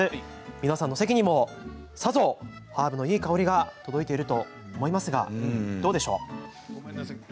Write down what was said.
皆さんの席にも、さぞハーブのいい香りが届いていると思いますがどうでしょうか。